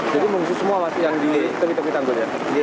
jadi mengungsi semua yang di tempat tempat tanggul ya